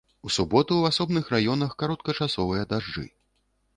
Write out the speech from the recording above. У суботу ў асобных раёнах кароткачасовыя дажджы.